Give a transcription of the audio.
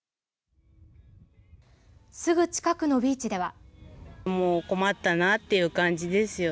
すぐ近くのビーチでは。